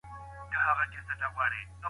منځلارې خبره تر افراطي چلند ډېره غوره ده.